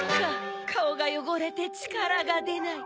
カオがよごれてちからがでない。